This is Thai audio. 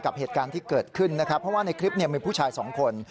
กับเหตุการณ์ที่เกิดขึ้นนะครับเพราะว่าในคลิปเนี่ยมีผู้ชายสองคน